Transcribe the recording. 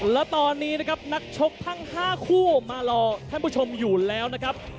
และตอนนี้นะครับนักชกทั้ง๕คู่มารอท่านผู้ชมอยู่แล้วนะครับ